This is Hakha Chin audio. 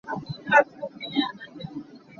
Raithawinak ar kha ti an phulh tawn.